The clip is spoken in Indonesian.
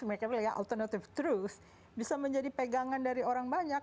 mereka bilang ya autonotive throove bisa menjadi pegangan dari orang banyak